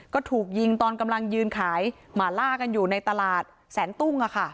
ก็ถูกยิงตอนกำลังยืนขายหมาล่ากันอยู่ในตลาดแสนตุ้ง